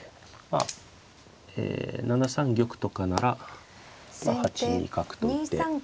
あえ７三玉とかなら８二角と打って。